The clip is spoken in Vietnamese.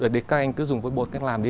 để các anh cứ dùng với bột cách làm đi